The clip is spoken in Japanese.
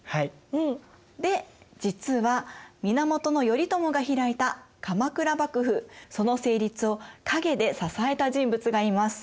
うん！で実は源頼朝が開いた鎌倉幕府その成立を陰で支えた人物がいます。